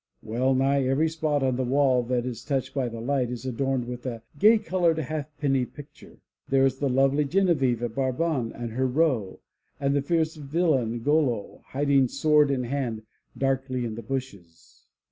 Well nigh every spot on the wall that is touched by the light is adorned with a gay colored half penny picture. There is the lovely Genevieve of Brabant with her roe, and the fierce villain, Golo, hiding, sword in hand, darkly in the bushes.